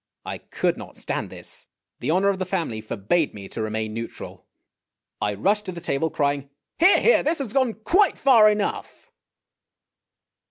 I could not stand this. The honor of the family forbade me to remain neutral. I rushed to the table, crying, " Here ! here ! this has gone quite far enough